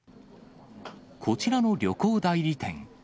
こちらの旅行代理店。